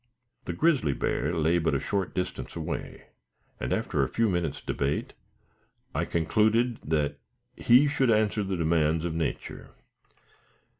The grizzly bear lay but a short distance away, and, after a few minutes' debate, I concluded that he should answer the demands of nature.